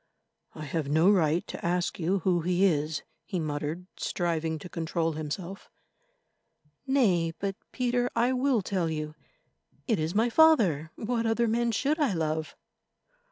"I have no right to ask you who he is," he muttered, striving to control himself. "Nay, but, Peter, I will tell you. It is my father—what other man should I love?"